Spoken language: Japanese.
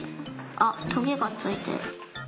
あっトゲがついてる。